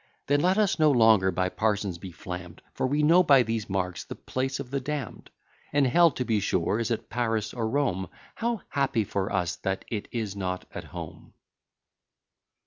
Then let us no longer by parsons be flamm'd, For we know by these marks the place of the damn'd: And HELL to be sure is at Paris or Rome. How happy for us that it is not at home!